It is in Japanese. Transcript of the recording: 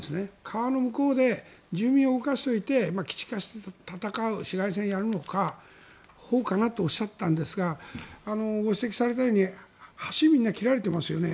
川の向こうで住民を動かしておいて基地化して戦う市街戦をやるほうかなとおっしゃっていたんですがご指摘されたように橋がみんな切られていますよね。